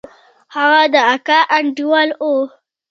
هغه د اکا انډيوال و.